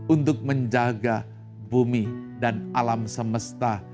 untuk menjaga bumi dan alam semesta